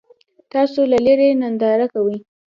تاسو له لرې ننداره کوئ.